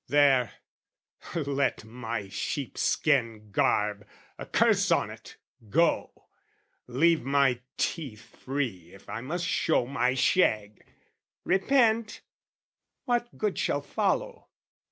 There, let my sheepskin garb, a curse on't go Leave my teeth free if I must show my shag! Repent? What good shall follow?